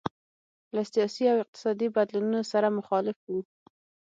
له سیاسي او اقتصادي بدلونونو سره مخالف وو.